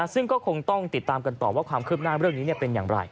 ซึ่งก็คงต้องติดตามกันต่อว่าความคืบหน้าเรื่องนี้เป็นอย่างไร